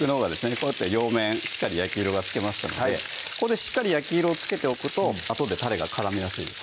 こうやって両面しっかり焼き色がつけましたのでここでしっかり焼き色をつけておくとあとでたれが絡めやすいです